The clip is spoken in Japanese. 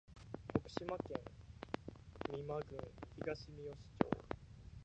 徳島県美馬郡東みよし町